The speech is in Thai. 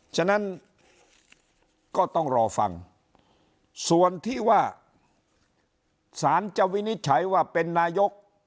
ฉะนั้นก็ต้องรอฟังส่วนที่ว่าสารจะวินิจฉัยว่าเป็นนายก